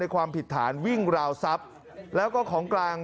ความผิดฐานวิ่งราวทรัพย์แล้วก็ของกลาง